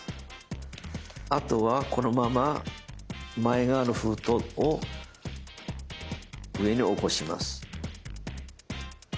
あとはこのまま前側の封筒を上に起こします。